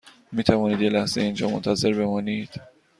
می توانید یک لحظه اینجا منتظر بمانید؟